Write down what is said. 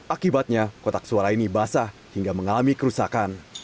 akibatnya kotak suara ini basah hingga mengalami kerusakan